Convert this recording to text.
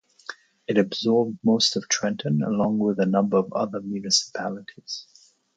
It absorbed most of Trenton, along with a number of other municipalities.